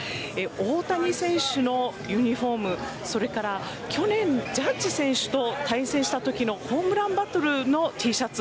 大谷選手のユニホームそれから去年ジャッジ選手と対戦した時のホームランバトルのＴシャツ